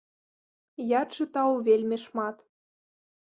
Я чытаў вельмі шмат.